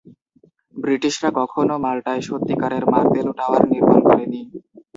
ব্রিটিশরা কখনো মাল্টায় সত্যিকারের মার্তেলো টাওয়ার নির্মাণ করেনি।